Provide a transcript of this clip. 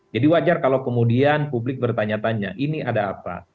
jadi wajar kalau kemudian publik bertanya tanya ini ada apa